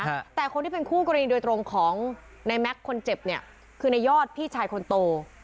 ฮะแต่คนที่เป็นคู่กรณีโดยตรงของในแม็กซ์คนเจ็บเนี่ยคือในยอดพี่ชายคนโต